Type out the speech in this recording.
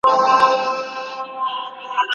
سپین غر بې واوري نه دی.